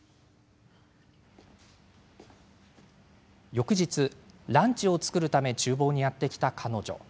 翌日、ランチを作るためちゅう房にやって来た彼女。